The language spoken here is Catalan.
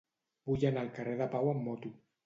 Vull anar al carrer de Pau amb moto.